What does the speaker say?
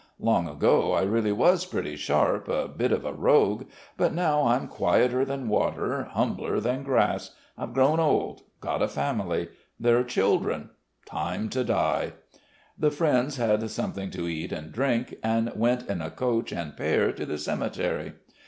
Long ago, I really was pretty sharp, a bit of a rogue ... but now I'm quieter than water, humbler than grass. I've grown old; got a family. There are children.... Time to die!" The friends had something to eat and drink, and went in a coach and pair to the cemetery.